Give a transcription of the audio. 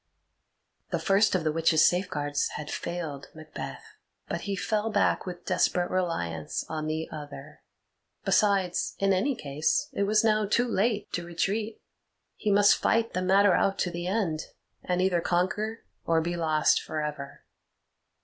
The first of the witches' safeguards had failed Macbeth, but he fell back with desperate reliance on the other. Besides, in any case, it was now too late to retreat; he must fight the matter out to the end, and either conquer or be lost for ever.